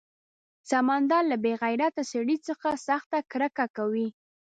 سمندر له بې غیرته سړي څخه سخته کرکه کوي.